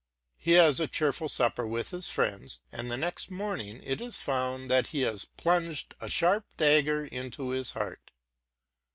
He has a cheerful supper with his friends, and the next morning it is found that he has plunged a sharp dagger into his heart.